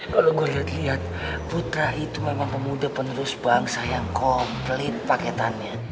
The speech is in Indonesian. kalau gue lihat putra itu memang pemuda penerus bangsa yang komplain paketannya